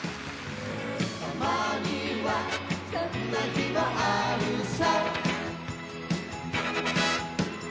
「たまにはそんな日もあるさ」